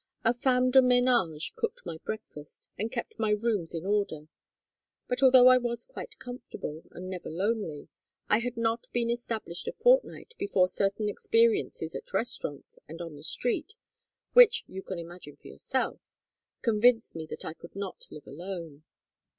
A femme de ménage cooked my breakfast and kept my rooms in order; but although I was quite comfortable and never lonely, I had not been established a fortnight before certain experiences at the restaurants and on the street, which you can imagine for yourself, convinced me that I could not live alone.